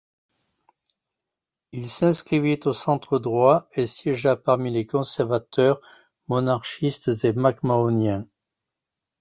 Il s'inscrivit au Centre-Droit et siégea parmi les Conservateurs, Monarchistes et Mac-Mahoniens.